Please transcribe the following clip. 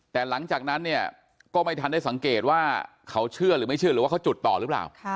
แต่หลังจากนั้นเนี่ยก็ไม่ทันได้สังเกตว่าเขาเชื่อหรือไม่เชื่อหรือว่าเขาจุดต่อหรือเปล่า